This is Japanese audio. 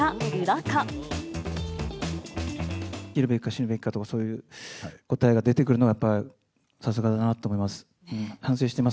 生きるべきか死ぬべきかとか、そういう答えが出てくるのは、やっぱさすがだなと思います。